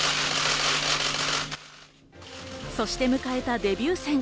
そして迎えたデビュー戦。